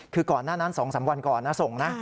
คือก่อนหน้านั้น๒๓วันก่อนนะส่งนะ